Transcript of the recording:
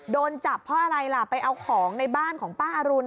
โดนจับเพราะอะไรล่ะไปเอาของในบ้านของป้าอรุณ